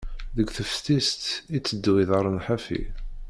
Deg teftist, iteddu iḍarren ḥafi.